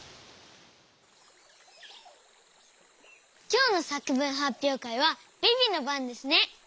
きょうのさくぶんはっぴょうかいはビビのばんですね。